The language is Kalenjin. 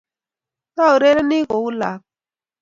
Tiurereni ku lakwa?